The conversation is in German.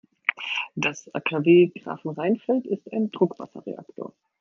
Das AKW Grafenrheinfeld ist ein Druckwasserreaktor.